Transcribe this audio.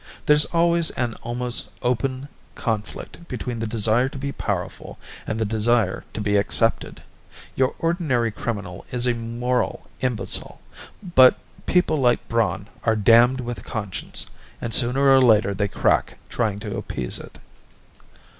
"There's always an almost open conflict between the desire to be powerful and the desire to be accepted; your ordinary criminal is a moral imbecile, but people like Braun are damned with a conscience, and sooner or later they crack trying to appease it."